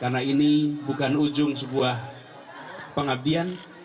karena ini bukan ujung sebuah pengabdian